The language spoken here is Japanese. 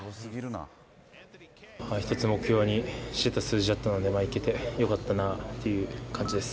１つ目標にしてた数字だったので、いけてよかったなっていう感じです。